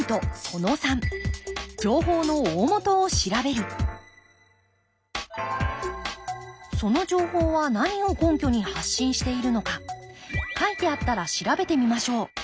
その３その情報は何を根拠に発信しているのか書いてあったら調べてみましょう。